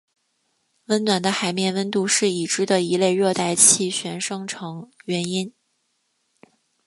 温暖的海面温度是已知的一类热带气旋生成原因。